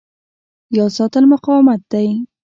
یاد ساتل مقاومت دی.